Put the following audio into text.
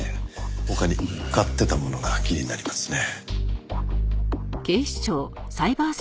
他に買ってたものが気になりますね。